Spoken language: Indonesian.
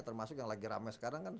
termasuk yang lagi rame sekarang kan